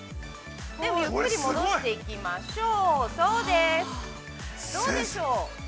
ゆっくり戻していきましょう。